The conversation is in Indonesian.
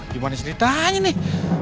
gimana ceritanya nih